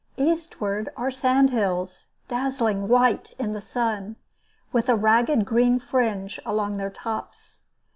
Eastward are sand hills, dazzling white in the sun, with a ragged green fringe along their tops.